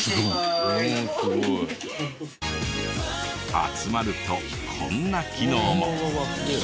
集まるとこんな機能も。